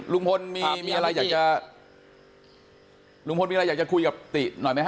ลุงพลมีอะไรอยากจะลุงพลมีอะไรอยากจะคุยกับติหน่อยไหมฮ